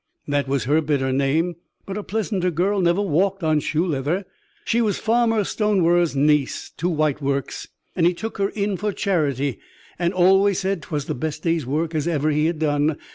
That was her bitter name, but a pleasanter girl never walked on shoe leather. She was Farmer Stonewer's niece to White Works, and he took her in for a charity, and always said that 'twas the best day's work as ever he had done.